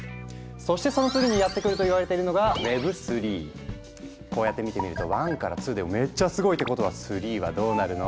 そしてその次にやって来ると言われているのがこうやって見てみると１から２でもめっちゃすごいってことは３はどうなるの？